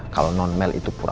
kalau non male itu pura pura